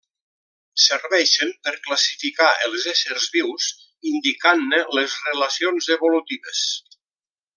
Serveixen per a classificar els éssers vius indicant-ne les relacions evolutives.